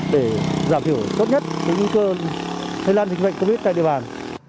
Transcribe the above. để giảm hiểu tốt nhất của nguy cơ lây lan dịch bệnh covid tại địa bàn